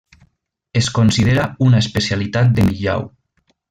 Es considera una especialitat de Millau.